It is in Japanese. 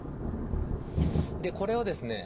でこれをですね